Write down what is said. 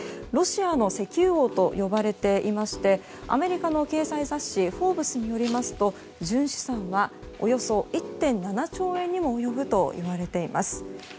ロシアの石油王と呼ばれていましてアメリカの経済雑誌「フォーブス」によりますと純資産はおよそ１．７兆円にも及ぶといわれています。